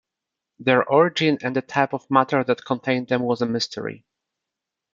Their origin and the type of matter that contained them was a mystery.